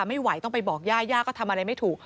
ไม่ไหวต้องไปบอกย่าย่าก็ทำอะไรไม่ถูก